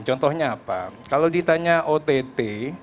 contohnya apa kalau ditanya ott